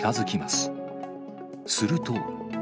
すると。